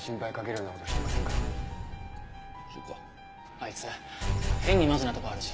あいつ変にマジなとこあるし